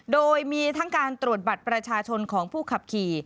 โดยมีทั้งการตรวจบัตรประชาชนของผู้ขับขี่